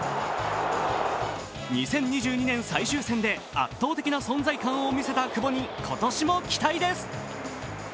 ２０２２年最終戦で圧倒的な存在感を見せた久保に今年も期待です。